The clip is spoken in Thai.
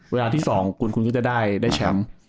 เวลาที่๒คุณคุณก็จะได้แชมป์